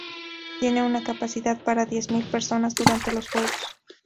Tiene una capacidad para diez mil personas durante los juegos.